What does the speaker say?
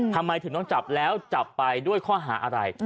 ทำไมถึงต้องจับแล้วจับไปด้วยข้อหาอะไร